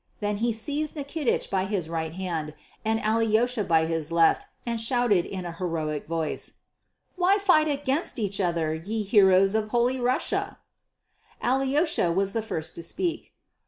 Then he seized Nikitich by his right hand and Alyosha by his left and shouted in a heroic voice, "Why fight against each other, ye heroes of Holy Russia?" Alyosha was the first to speak.